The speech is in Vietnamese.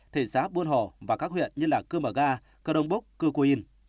thị xã buôn hồ và các huyện như cư mở ga cơ đông bốc cư cô yên